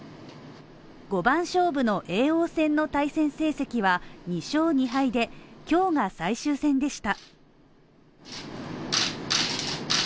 ５番勝負の叡王戦の対戦成績は２勝２敗で今日が最終戦でした。